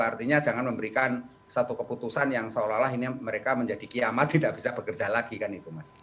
artinya jangan memberikan satu keputusan yang seolah olah ini mereka menjadi kiamat tidak bisa bekerja lagi kan itu mas